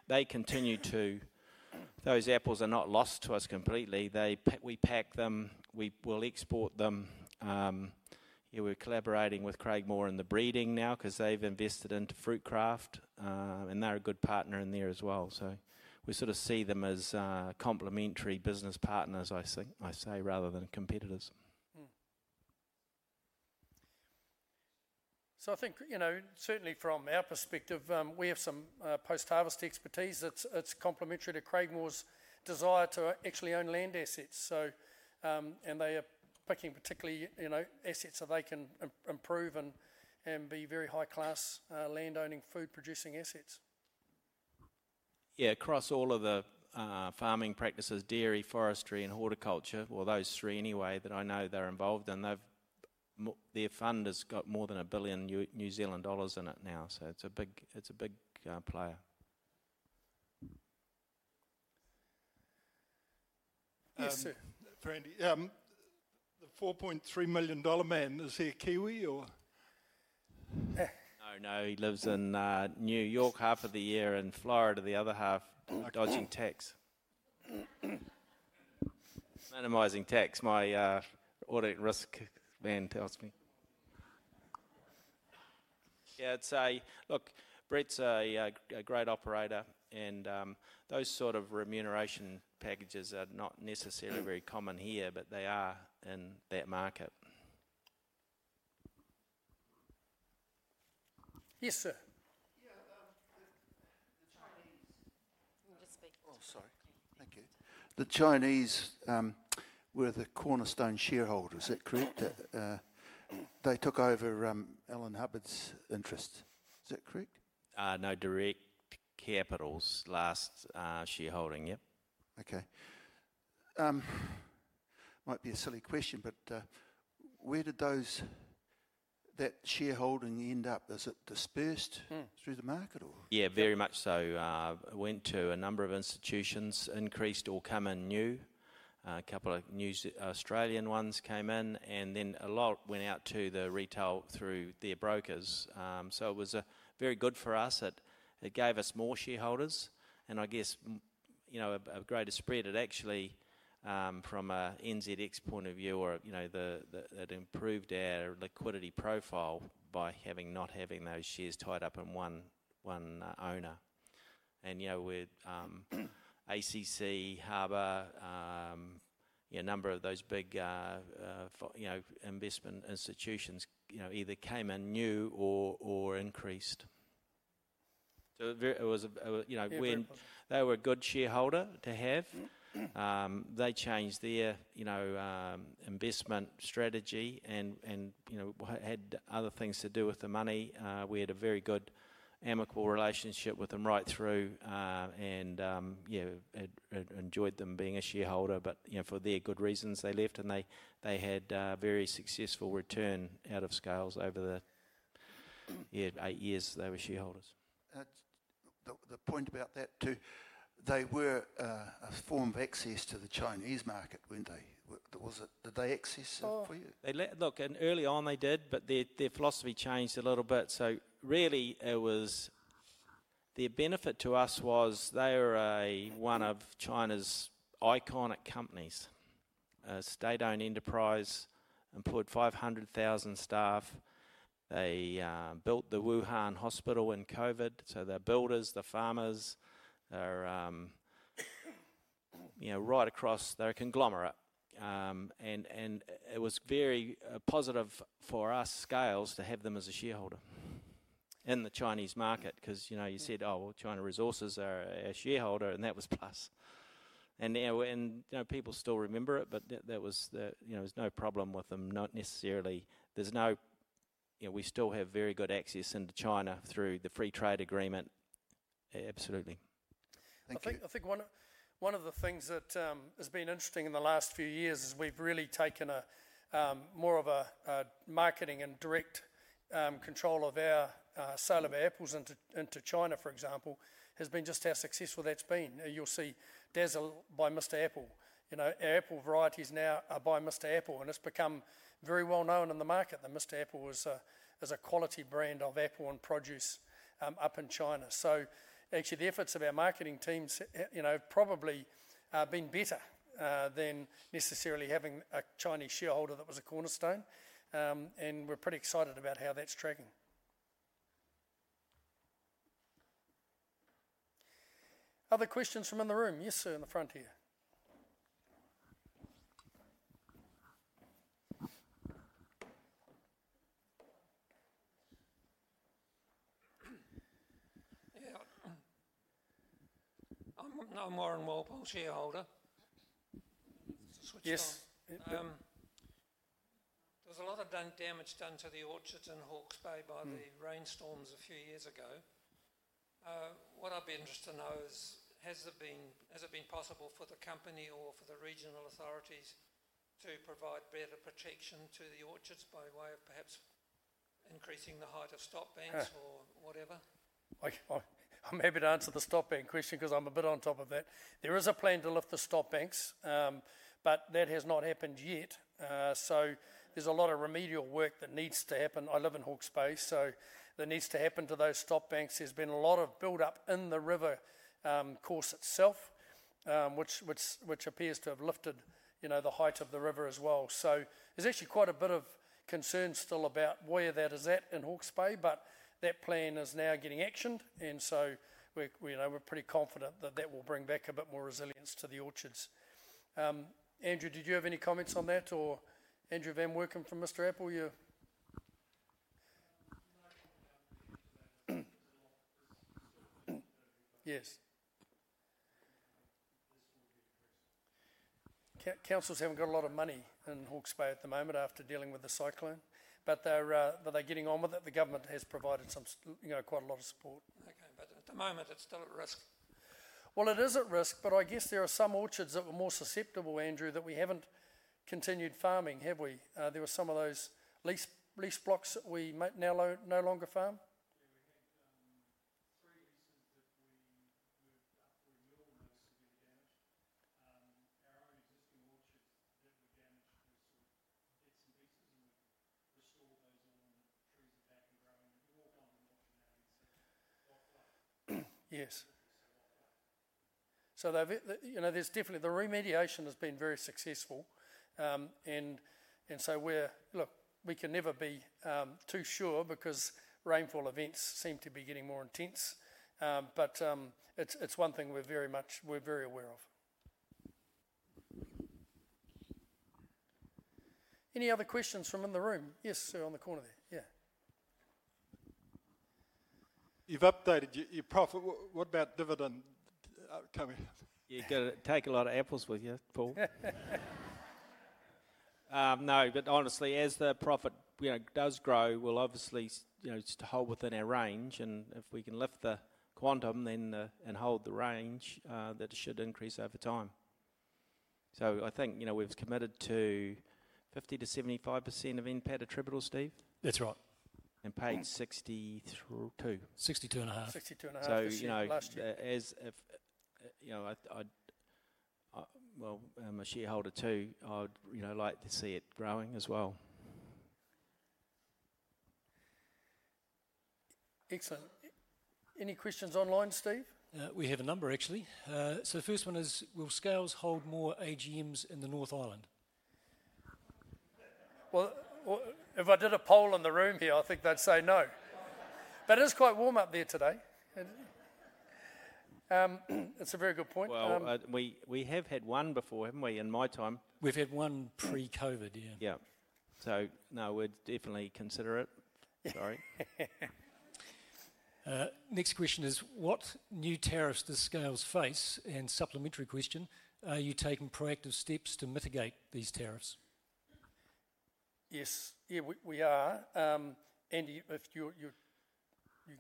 They continue to—those apples are not lost to us completely. We pack them. We will export them. We're collaborating with Craigmore in the breeding now because they've invested into Fruitcraft, and they're a good partner in there as well. We sort of see them as complementary business partners, I say, rather than competitors. I think certainly from our perspective, we have some post-harvest expertise. It's complementary to Craigmore's desire to actually own land assets. They are picking particularly assets that they can improve and be very high-class land-owning food-producing assets. Yeah. Across all of the farming practices, dairy, forestry, and horticulture, those three anyway that I know they're involved in, their fund has got more than 1 billion New Zealand dollars in it now. It is a big player.
Yes, sir. The $4.3 million man, is he a Kiwi or?
No, no. He lives in New York half of the year and Florida the other half dodging tax. Minimising tax, my audit risk man tells me. Yeah. Look, Brett's a great operator, and those sort of remuneration packages are not necessarily very common here, but they are in that market. Yes, sir. Yeah. The Chinese. Just speak. Oh, sorry. Thank you. The Chinese were the cornerstone shareholders. Is that correct? They took over Ellen Hubbard's interest. Is that correct? No. Direct Capital's last shareholding. Yep. Okay. Might be a silly question, but where did that shareholding end up? Is it dispersed through the market or? Yeah. Very much so. Went to a number of institutions, increased or come in new. A couple of Australian ones came in, and then a lot went out to the retail through their brokers. It was very good for us. It gave us more shareholders, and I guess a greater spread had actually, from an NZX point of view, or it improved our liquidity profile by not having those shares tied up in one owner. ACC, Harbor, a number of those big investment institutions either came in new or increased. It was a win. They were a good shareholder to have. They changed their investment strategy and had other things to do with the money. We had a very good, amicable relationship with them right through and enjoyed them being a shareholder. For their good reasons, they left, and they had a very successful return out of Scales over the eight years they were shareholders. The point about that too, they were a form of access to the Chinese market, were they not? Did they access it for you? Look, early on they did, but their philosophy changed a little bit. So really, their benefit to us was they were one of China's iconic companies, a state-owned enterprise, employed 500,000 staff. They built the Wuhan hospital in COVID. They are builders, they are farmers. They are right across. They are a conglomerate. It was very positive for us, Scales, to have them as a shareholder in the Chinese market because you said, "Oh, well, China Resources are our shareholder," and that was a plus. People still remember it, but there was no problem with them necessarily.
We still have very good access into China through the Free Trade Agreement. Absolutely. Thank you. I think one of the things that has been interesting in the last few years is we've really taken more of a marketing and direct control of our sale of our apples into China, for example, has been just how successful that's been. You'll see Dazzle by Mr. Apple. Our apple varieties now are by Mr. Apple, and it's become very well known in the market that Mr. Apple is a quality brand of apple and produce up in China. Actually, the efforts of our marketing teams have probably been better than necessarily having a Chinese shareholder that was a cornerstone. We're pretty excited about how that's tracking. Other questions from in the room? Yes, sir, in the front here. Yeah. I'm Warren Walpole, shareholder. Yes. There was a lot of damage done to the orchards in Hawkesbury by the rainstorms a few years ago. What I'd be interested to know is, has it been possible for the company or for the regional authorities to provide better protection to the orchards by way of perhaps increasing the height of stop banks or whatever? I'm happy to answer the stop bank question because I'm a bit on top of that. There is a plan to lift the stop banks, but that has not happened yet. So there's a lot of remedial work that needs to happen. I live in Hawkesbury, so there needs to happen to those stop banks. There's been a lot of buildup in the river course itself, which appears to have lifted the height of the river as well. There's actually quite a bit of concern still about where that is at in Hawkesbury, but that plan is now getting actioned, and we're pretty confident that that will bring back a bit more resilience to the orchards. Andrew, did you have any comments on that? Or Andrew van Workum from Mr. Apple, you? Yes. Councils haven't got a lot of money in Hawkesbury at the moment after dealing with the cyclone, but they're getting on with it. The government has provided quite a lot of support.
Okay. At the moment, it's still at risk. It is at risk, but I guess there are some orchards that were more susceptible, Andrew, that we haven't continued farming, have we? There were some of those leased blocks that we now no longer farm. Yeah. We had three leases that we moved up through. We all know severe damage.
Our own existing orchards that were damaged were sort of bits and pieces, and we've restored those all, and the trees are back and growing. You walk onto an orchard now and you see Lochblood. Y
es. There is definitely the remediation has been very successful. We can never be too sure because rainfall events seem to be getting more intense, but it's one thing we're very aware of. Any other questions from in the room? Yes, sir, on the corner there. Yeah.
You've updated your profit. What about dividend? Y
eah. You've got to take a lot of apples with you, Paul. No. But honestly, as the profit does grow, we'll obviously just hold within our range. If we can lift the quantum and hold the range, that should increase over time. I think we've committed to 50%-75% of NPAT attributable, Steve?
That's right. And paid $0.625. $0.625 last year. I'm a shareholder too. I'd like to see it growing as well. Excellent. Any questions online, Steve? We have a number, actually. The first one is, will Scales hold more AGMs in the North Island? If I did a poll in the room here, I think they'd say no. It is quite warm up there today. It's a very good point. We have had one before, haven't we, in my time? We've had one pre-COVID, yeah. Yeah. We would definitely consider it. Sorry.
Next question is, what new tariffs does Scales face? And supplementary question, are you taking proactive steps to mitigate these tariffs?
Yes. Yeah, we are. Andy, if you're—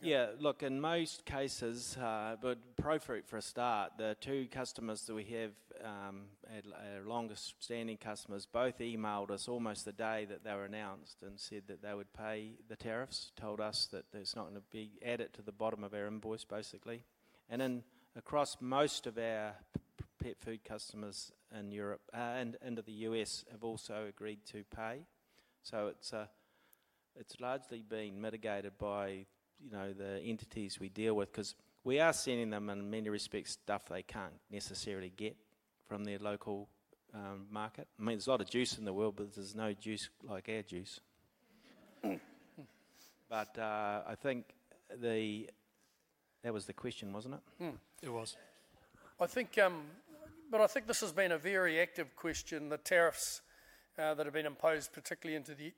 Yeah.
Look, in most cases, but ProFruit for a start, the two customers that we have, our longest-standing customers, both emailed us almost the day that they were announced and said that they would pay the tariffs, told us that there's not going to be—add it to the bottom of our invoice, basically. And then across most of our pet food customers in Europe and into the U.S. have also agreed to pay. So it's largely been mitigated by the entities we deal with because we are sending them, in many respects, stuff they can't necessarily get from their local market. I mean, there's a lot of juice in the world, but there's no juice like our juice. But I think that was the question, wasn't it? It was.
But I think this has been a very active question. The tariffs that have been imposed, particularly into the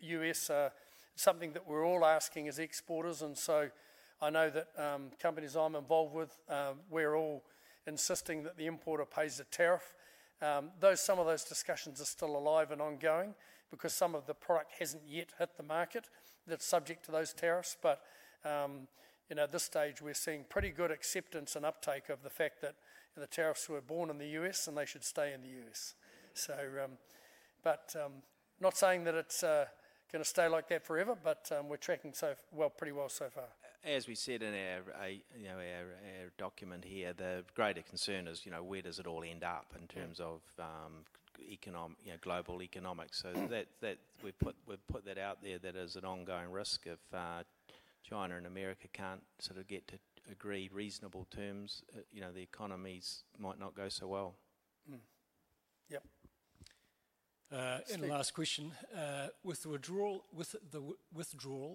U.S., are something that we're all asking as exporters. I know that companies I'm involved with, we're all insisting that the importer pays the tariff. Some of those discussions are still alive and ongoing because some of the product hasn't yet hit the market that's subject to those tariffs. At this stage, we're seeing pretty good acceptance and uptake of the fact that the tariffs were born in the U.S. and they should stay in the U.S. I'm not saying that it's going to stay like that forever, but we're tracking pretty well so far.
As we said in our document here, the greater concern is where does it all end up in terms of global economics.
We've put that out there that there's an ongoing risk if China and America can't sort of get to agree reasonable terms, the economies might not go so well. Yep. The last question, with the withdrawal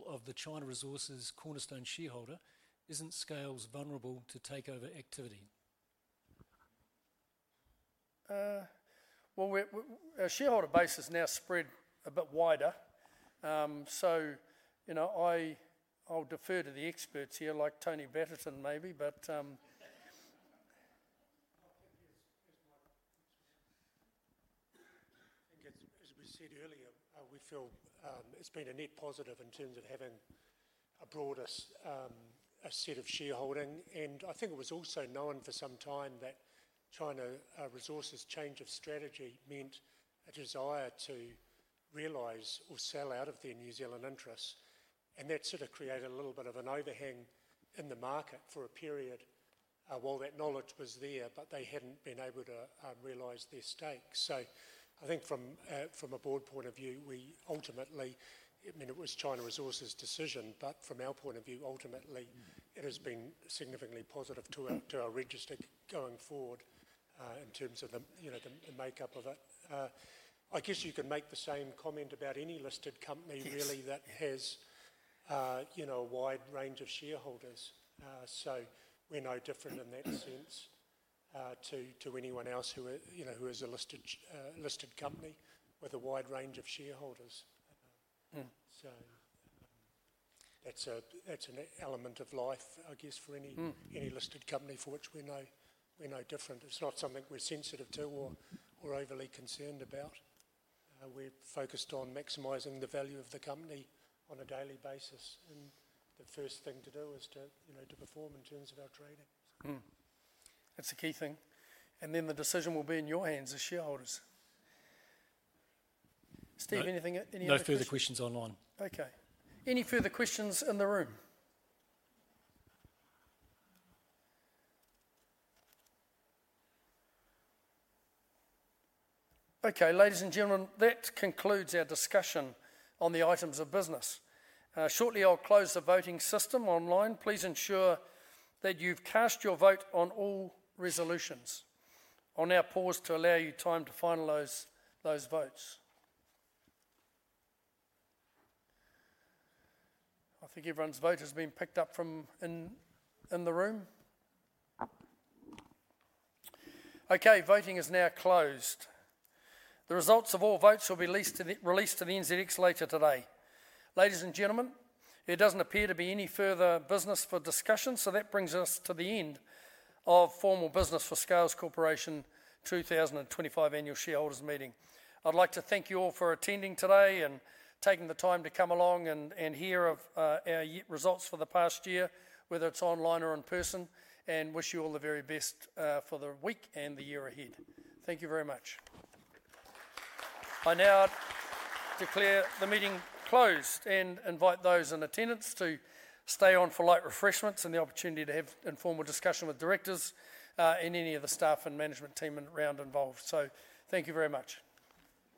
of the China Resources cornerstone shareholder, isn't Scales vulnerable to takeover activity? Our shareholder base has now spread a bit wider. I'll defer to the experts here, like Tony Banton maybe, but I think, as we said earlier, we feel it's been a net positive in terms of having a broader set of shareholding. I think it was also known for some time that China Resources' change of strategy meant a desire to realise or sell out of their New Zealand interests. That sort of created a little bit of an overhang in the market for a period while that knowledge was there, but they had not been able to realise their stakes. I think from a board point of view, we ultimately, I mean, it was China Resources' decision, but from our point of view, ultimately, it has been significantly positive to our register going forward in terms of the makeup of it. I guess you could make the same comment about any listed company, really, that has a wide range of shareholders. We are no different in that sense to anyone else who is a listed company with a wide range of shareholders. That is an element of life, I guess, for any listed company for which we are no different. It is not something we are sensitive to or overly concerned about.
We're focused on maximizing the value of the company on a daily basis. The first thing to do is to perform in terms of our trading. That's a key thing. The decision will be in your hands as shareholders. Steve, anything? No further questions online.
Okay. Any further questions in the room? Okay. Ladies and gentlemen, that concludes our discussion on the items of business. Shortly, I'll close the voting system online. Please ensure that you've cast your vote on all resolutions. I'll now pause to allow you time to finalize those votes. I think everyone's vote has been picked up from in the room. Okay. Voting is now closed. The results of all votes will be released to the NZX later today. Ladies and gentlemen, there doesn't appear to be any further business for discussion.
That brings us to the end of formal business for Scales Corporation 2025 annual shareholders meeting. I'd like to thank you all for attending today and taking the time to come along and hear of our results for the past year, whether it's online or in person, and wish you all the very best for the week and the year ahead. Thank you very much. I now declare the meeting closed and invite those in attendance to stay on for light refreshments and the opportunity to have informal discussion with directors and any of the staff and management team and round involved. Thank you very much.